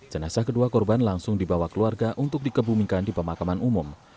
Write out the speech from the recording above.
jenazah kedua korban langsung dibawa keluarga untuk dikebumikan di pemakaman umum